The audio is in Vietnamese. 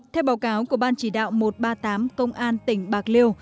theo báo cáo của ban chỉ đạo một trăm ba mươi tám công an tỉnh bạc liêu